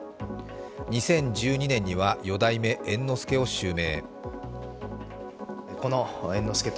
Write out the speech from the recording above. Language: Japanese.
２０１２年には、四代目、猿之助を襲名。